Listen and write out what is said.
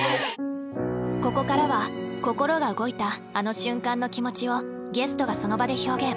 ここからは心が動いたあの瞬間の気持ちをゲストがその場で表現。